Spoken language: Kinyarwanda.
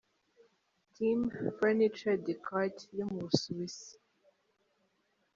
Team Furniture Decarte yo mu Busuwisi.